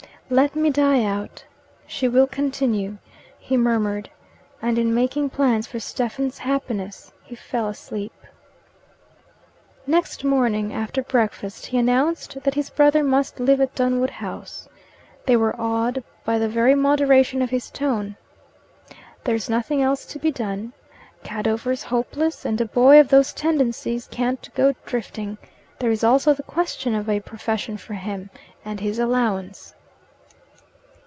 "Let me die out. She will continue," he murmured, and in making plans for Stephen's happiness, fell asleep. Next morning after breakfast he announced that his brother must live at Dunwood House. They were awed by the very moderation of his tone. "There's nothing else to be done. Cadover's hopeless, and a boy of those tendencies can't go drifting. There is also the question of a profession for him, and his allowance."